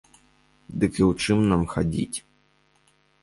Дык і ў чым нам хадзіць?